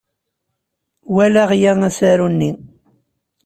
Walaɣ yagi asaru-nni.